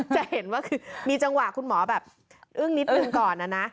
จะเห็นว่าคือมีจังหวะคุณหมอแบบอึ้งนิดหนึ่งก่อนนะนะ